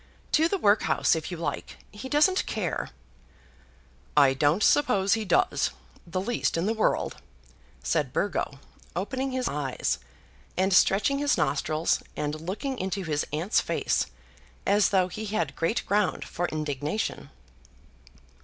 "To the workhouse, if you like. He doesn't care." "I don't suppose he does; the least in the world," said Burgo, opening his eyes, and stretching his nostrils, and looking into his aunt's face as though he had great ground for indignation.